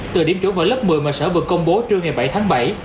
từ điểm chuẩn vào lớp một mươi mà sở vừa công bố trưa ngày bảy tháng bảy